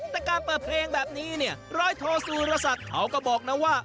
แต่การเปิดเพลงแบบนี้ร้อยโทษสูรสัตว์เขาก็บอกนะว่า